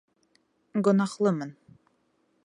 Гонаһлымын.